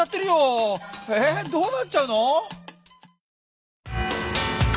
えどうなっちゃうの？